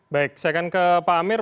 baik saya akan ke pak amir